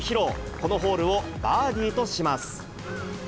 このホールをバーディーとします。